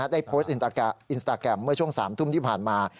ได้โพสต์อินสตาแกรมเมื่อช่วง๓ทุ่มที่ผ่านมา